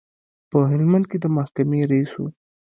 په هلمند کې د محکمې رئیس و.